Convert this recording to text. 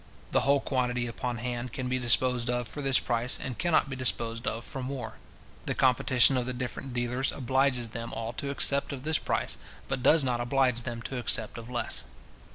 The whole quantity upon hand can be disposed of for this price, and can not be disposed of for more. The competition of the different dealers obliges them all to accept of this price, but does not oblige them to accept of less.